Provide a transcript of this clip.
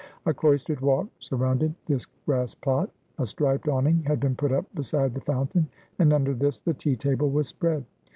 A cloistered walk sur rounded this grass plot. A striped awning had been put up beside the fountain, and under this the tea table was spread.